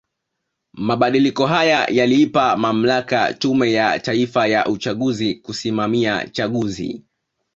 Mabadiliko haya yaliipa mamlaka Tume ya Taifa ya uchaguzi kusimamia chaguzi